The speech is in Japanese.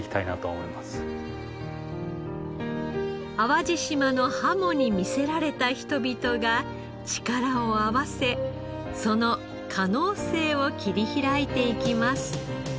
淡路島のハモに魅せられた人々が力を合わせその可能性を切り開いていきます。